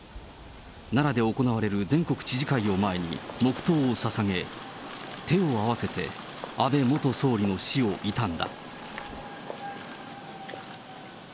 奈良で行われる全国知事会を前に、黙とうをささげ、手を合わせて、安倍元総理の死を悼んだ。